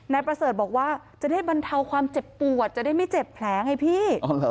นายประเสริฐบอกว่าจะได้บรรเทาความเจ็บปวดจะได้ไม่เจ็บแผลไงพี่